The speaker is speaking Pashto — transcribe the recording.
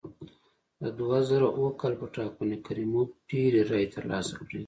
د دوه زره اووه کال په ټاکنو کې کریموف ډېرې رایې ترلاسه کړې.